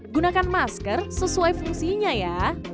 gunakan masker sesuai fungsinya ya